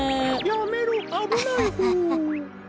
やめろあぶないホー。